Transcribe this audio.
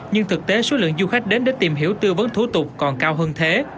nhưng thực tế số lượng du khách đến để tìm hiểu tư vấn thủ tục còn cao hơn thế